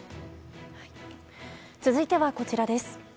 続いては、こちらです。